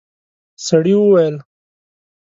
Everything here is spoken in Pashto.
سړي وويل: